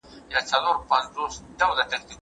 ایا په کور کي د مېوو د ساتنې لپاره د یخچال شتون ښه دی؟